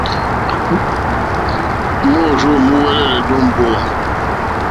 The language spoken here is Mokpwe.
Môrzô múúŋwɛ̀lɛ̀ èmbówà.